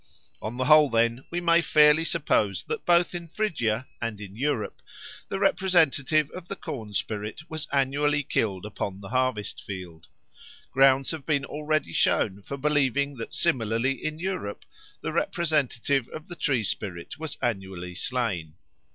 On the whole, then, we may fairly suppose that both in Phrygia and in Europe the representative of the corn spirit was annually killed upon the harvest field. Grounds have been already shown for believing that similarly in Europe the representative of the tree spirit was annually slain.